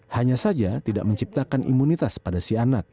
hanya saja tidak menciptakan imunitas pada si anak